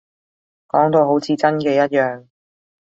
講到好似真嘅一樣